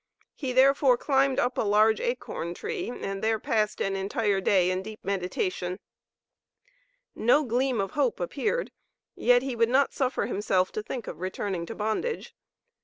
He therefore climbed up a large acorn tree and there passed an entire day in deep meditation. No gleam of hope appeared, yet he would not suffer himself to think of returning to bondage.